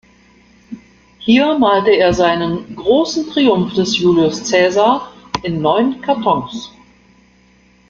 Hier malte er seinen "Großen Triumph des Julius Cäsar" in neun Kartons.